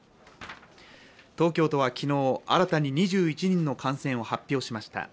東京都は昨日、新たに２１人の感染を発表しました。